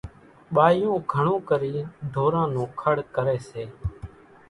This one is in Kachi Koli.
ٻايوُن گھڻون ڪرينَ ڍوران نون کڙ ڪريَ سي۔